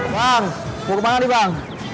bang mau kemana nih bang